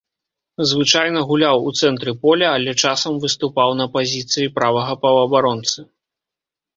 Звычайна гуляў у цэнтры поля, але часам выступаў на пазіцыі правага паўабаронцы.